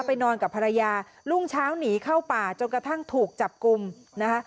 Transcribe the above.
นอนกับภรรยารุ่งเช้าหนีเข้าป่าจนกระทั่งถูกจับกลุ่มนะคะ